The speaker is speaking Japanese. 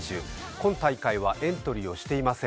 今大会はエントリーをしていません。